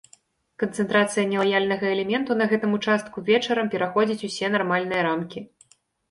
Канцэнтрацыя нелаяльнага элементу на гэтым участку вечарам пераходзіць усе нармальныя рамкі.